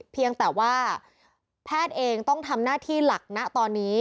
เพียงแต่ว่าแพทย์เองต้องทำหน้าที่หลักนะตอนนี้